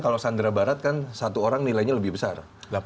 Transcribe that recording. kalau sandra barat kan satu orang nilainya lebih besar